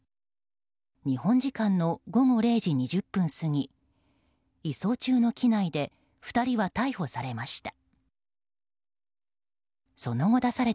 日本時間の午後０時２０分過ぎ移送中の機内で２人は逮捕されました。